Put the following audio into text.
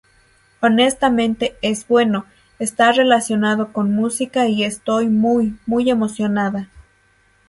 Honestamente, es bueno, está relacionado con música y estoy muy, muy emocionada.